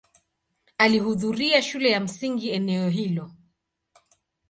Alihudhuria shule ya msingi eneo hilo.